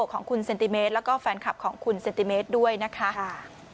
ของคุณเซนติเมตรแล้วก็แฟนคลับของคุณเซนติเมตรด้วยนะคะ